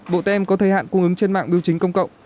bộ tem có thời hạn cung ứng trên mạng biêu chính công cộng